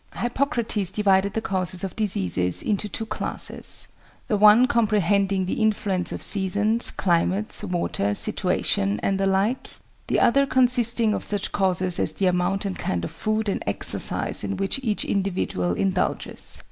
Hippocrates divided the causes of diseases into two classes: the one comprehending the influence of seasons, climates, water, situation, and the like; the other consisting of such causes as the amount and kind of food and exercise in which each individual indulges.